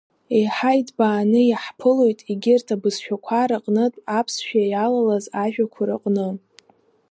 Еиҳа иҭбааны иаҳԥылоит егьырҭ абызшәақәа рыҟнытә аԥсшәа иалалаз ажәақәа рыҟны…